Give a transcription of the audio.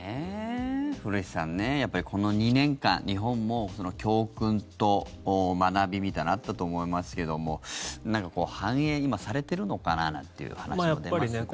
古市さん、この２年間日本も教訓と学びみたいなのがあったと思いますけども反映、今されているのかななんていう話も出ますが。